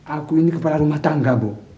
aku ini kepala rumah tangga bu